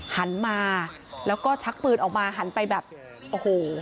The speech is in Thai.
หันมาแล้วก็ชักปืนออกมาหันไปแบบโอ้โห